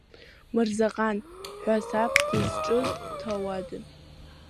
Мырзаҟан ҳәа саб дызҿыз, дҭауадын.